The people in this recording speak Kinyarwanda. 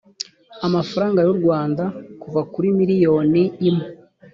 amafaranga y u rwanda kuva kuri miliyoni imwe